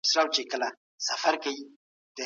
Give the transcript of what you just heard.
کمپيوټر واليم بدلوي.